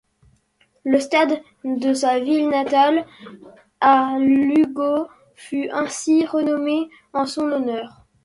Le stade de sa ville natale à Lugo fut ainsi renommé en son honneur.